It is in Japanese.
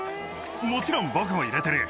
もちろん僕も入れてる。